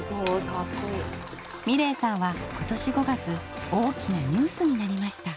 美礼さんは今年５月大きなニュースになりました。